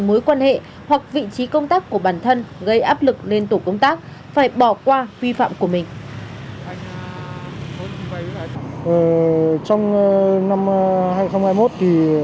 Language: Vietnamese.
mối quan hệ hoặc vị trí công tác của bản thân gây áp lực lên tổ công tác phải bỏ qua vi phạm của mình